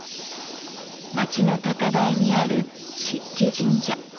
町の高台にある漆器神社。